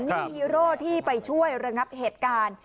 นี่ฮีโร่ที่ไปช่วยระงับเหตุการณ์